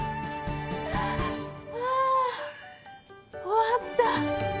終わった！